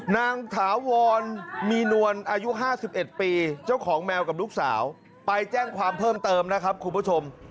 ถาวรมีนวลอายุ๕๑ปีเจ้าของแมวกับลูกสาวไปแจ้งความเพิ่มเติมนะครับคุณผู้ชม